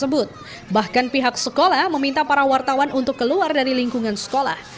bahkan pihak sekolah meminta para wartawan untuk keluar dari lingkungan sekolah